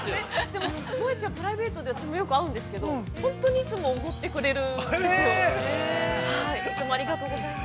でも、もえちゃん、プライベートで、私も、よく会うんですけど、本当にいつもおごってくれるんですよ。